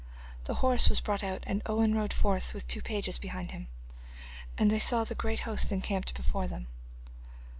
The horse was brought out and Owen rode forth with two pages behind him, and they saw the great host encamped before them.